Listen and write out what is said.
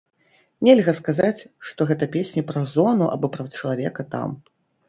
Нельга сказаць, што гэта песні пра зону або пра чалавека там.